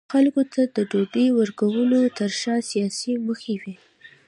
خلکو ته د ډوډۍ ورکولو ترشا سیاسي موخې وې.